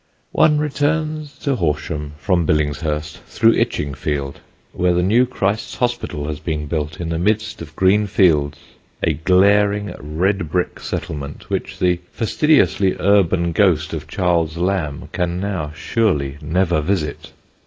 One returns to Horsham from Billingshurst through Itchingfield, where the new Christ's Hospital has been built in the midst of green fields: a glaring red brick settlement which the fastidiously urban ghost of Charles Lamb can now surely never visit.